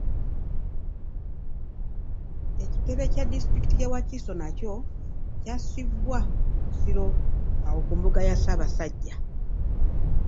Ekitebe kya Disitulikiti y’e Wakiso nakyo kyassibwa mu Busiro awo ku mbuga ya Ssaabasajja.